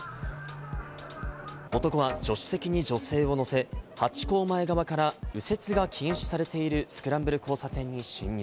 男は助手席に女性を乗せ、ハチ公前側から右折が禁止されているスクランブル交差点に進入。